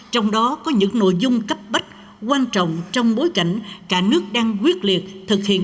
trong đó có những nội dung cấp bách quan trọng trong bối cảnh cả nước đang quyết liệt thực hiện